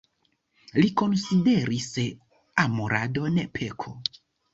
Li konsideris amoradon peko.